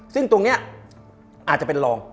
ซึ่งตรงนี้อาจจะเป็นรอง